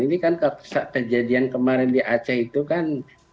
ini kan kejadian kemarin di aceh itu kan